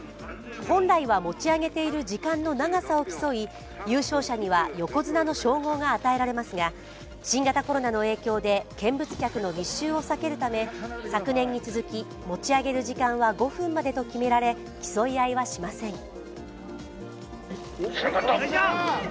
本来は、持ち上げている時間の長さを競い、優勝者には横綱の称号が与えられますが、新型コロナの影響で見物客の密集を避けるため昨年に続き持ち上げる時間は５分までと決められ、競い合いはしません。